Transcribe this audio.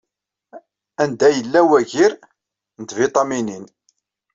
Anda yella wagir n tbiṭaminin.